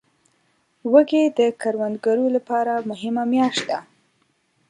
وږی د کروندګرو لپاره مهمه میاشت ده.